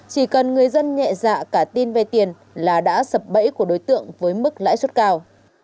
chỉ cần người dân nhẹ dạ cả tin vay tiền là đã sập bẫy của đối tượng với mức lãi suất cao